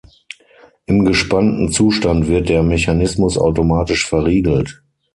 Im gespannten Zustand wird der Mechanismus automatisch verriegelt.